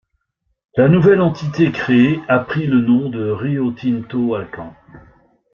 La nouvelle entité créée a pris le nom de Rio Tinto Alcan.